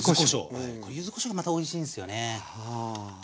これ柚子こしょうがまたおいしいんすよね。